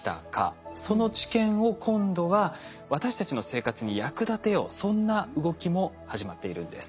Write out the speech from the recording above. その知見を今度は私たちの生活に役立てようそんな動きも始まっているんです。